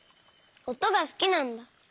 おとがすきなんだ。